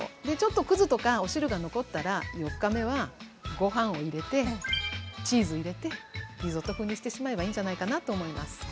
でちょっとくずとかお汁が残ったら４日目はごはんを入れてチーズ入れてリゾット風にしてしまえばいいんじゃないかなと思います。